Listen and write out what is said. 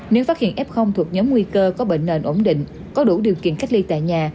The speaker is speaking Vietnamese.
nếu phát hiện f thuộc nhóm nguy cơ có bệnh nền ổn định có đủ điều kiện cách ly tại nhà